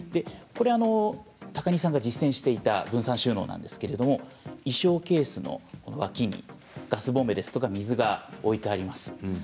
これは高荷さんが実践していた分散収納なんですが衣装ケースの脇にガスボンベや水が置いてあります。